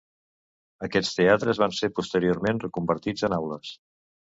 Aquests teatres van ser posteriorment reconvertits en aules.